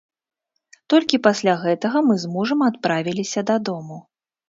Толькі пасля гэтага мы з мужам адправіліся дадому.